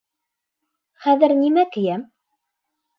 Хәҙер нимә кейәм?